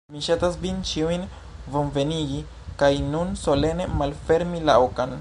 Mi ŝatas vin ĉiujn bonvenigi kaj nun solene malfermi la okan